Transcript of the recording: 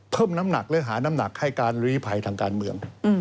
เพิ่มน้ำหนักหรือหาน้ำหนักให้การลีภัยทางการเมือง